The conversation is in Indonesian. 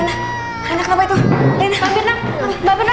mbak birna mbak birna